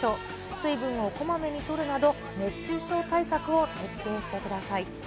水分をこまめにとるなど、熱中症対策を徹底してください。